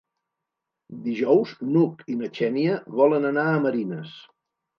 Dijous n'Hug i na Xènia volen anar a Marines.